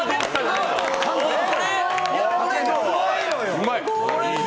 うまい！